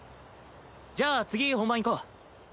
じゃあ次本番いこう。